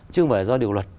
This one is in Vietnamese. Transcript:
chứ không phải là do điều luật